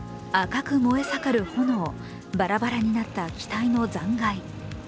赤く燃え盛る炎、ばらばらになった機体の残骸。